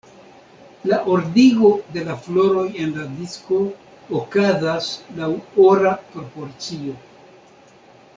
La ordigo de la floroj en la disko okazas laŭ ora proporcio.